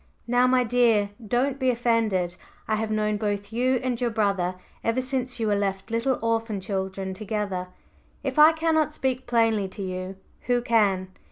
"Now, my dear, don't be offended. I have known both you and your brother ever since you were left little orphan children together; if I cannot speak plainly to you, who can?